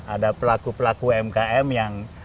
ada pelaku pelaku umkm yang